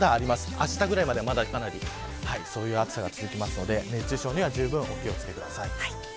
あしたぐらいまではそういう暑さが続きますので熱中症にはじゅうぶんお気を付けください。